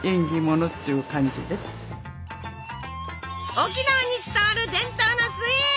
沖縄に伝わる伝統のスイーツ！